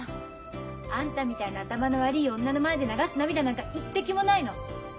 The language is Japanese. あんたみたいな頭の悪い女の前で流す涙なんか一滴もないの。